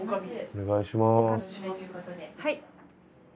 お願いします。